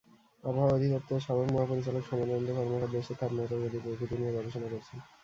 আবহাওয়া অধিদপ্তরের সাবেক মহাপরিচালক সমরেন্দ্র কর্মকার দেশের তাপমাত্রার গতি-প্রকৃতি নিয়ে গবেষণা করছেন।